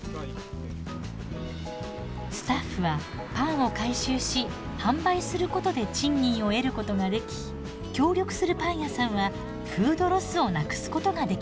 スタッフはパンを回収し販売することで賃金を得ることができ協力するパン屋さんはフードロスをなくすことができます。